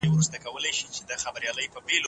پدغسي قضاوتونو کي هم احتياط پکار دی.